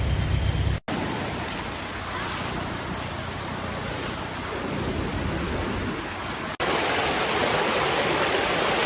เมื่อเวลาอันดับสุดท้ายจะมีเวลาอันดับสุดท้ายมากกว่า